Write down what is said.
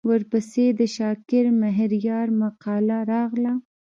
ورپسې د شاکر مهریار مقاله راغله.